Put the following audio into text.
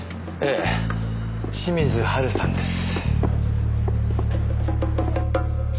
ええ清水ハルさんです。